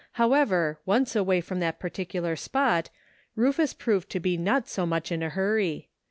However, once away from that particular spot, Rufus proved to be not so much i;i a hurry.